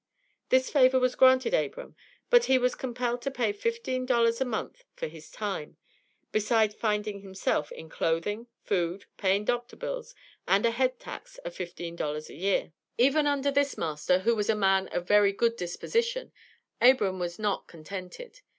This favor was granted Abram; but he was compelled to pay $15 per month for his time, besides finding himself in clothing, food, paying doctor bills, and a head tax of $15 a year. [Illustration: HON. ABRAM GALLOWAY] Even under this master, who was a man of very good disposition, Abram was not contented.